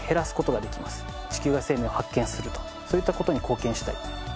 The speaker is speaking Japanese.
地球外生命を発見するとそういった事に貢献したい。